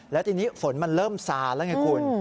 แล้วทีนี้ฝนมันเริ่มซาแล้วไงคุณ